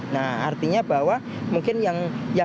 nah artinya bahwa mungkin yang